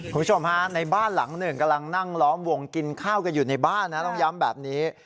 คุณผู้ชมฮะในบ้านหลังหนึ่งกำลังนั่งล้อมวงกินข้าวกันอยู่ในบ้านนะต้องย้ำแบบนี้